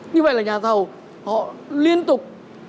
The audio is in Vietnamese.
như vậy là nhà thầu họ liên tục